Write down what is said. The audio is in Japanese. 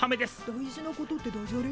大事なことってダジャレ？